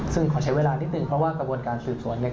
ซึ่งขอใช้เวลานิดนึงเพราะว่ากระบวนการสืบสวนเนี่ย